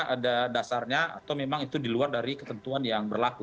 ada dasarnya atau memang itu di luar dari ketentuan yang berlaku